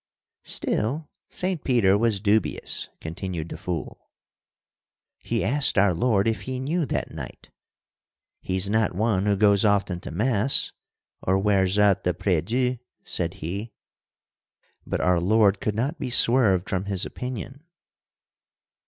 "Still, Saint Peter was dubious," continued the fool. "He asked our Lord if He knew that knight. 'He's not one who goes often to Mass or wears out the prie dieu,' said he. But our Lord could not be swerved from His opinion.